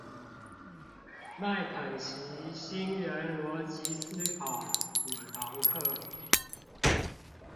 麥肯錫新人邏輯思考五堂課